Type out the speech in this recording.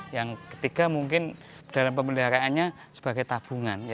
yang ketiga mungkin dalam pemeliharaannya sebagai tabungan